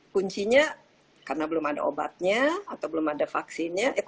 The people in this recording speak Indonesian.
kuncinya karena belum ada obatnya atau belum ada vaksinnya eh kuncinya ya